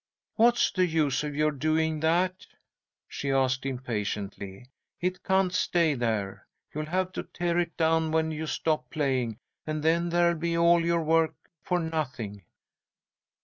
"What's the use of your doing that?" she asked, impatiently. "It can't stay there. You'll have to tear it down when you stop playing, and then there'll be all your work for nothing."